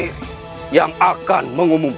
kau masih putraku